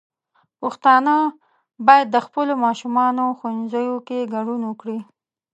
پښتانه بايد د خپلو ماشومانو ښوونځيو کې ګډون وکړي.